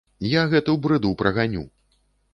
Я гэту брыду праганю.